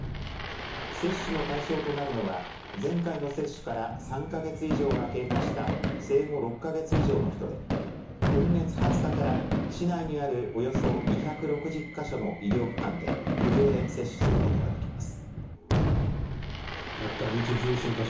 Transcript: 接種の対象となるのは前回の接種から３か月以上が経過した生後６か月以上の人で今月２０日から市内にあるおよそ２６０か所の医療機関で無料で接種することができます。